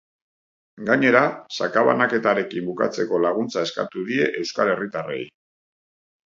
Gainera, sakabanaketarekin bukatzeko laguntza eskatu die euskal herritarrei.